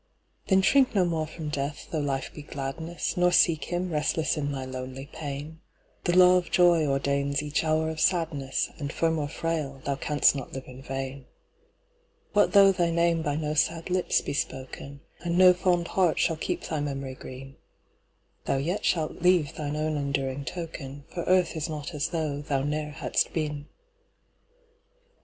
Then shrink no more from Death, though Life be gladness, Nor seek him, restless in thy lonely pain; The law of joy ordains each hour of sadness, And firm or frail, thou canst not live in vain. What though thy name by no sad lips be spoken, And no fond heart shall keep thy memory green? Thou yet shalt leave thine own enduring token, For earth is not as though thou ne'er hadst been.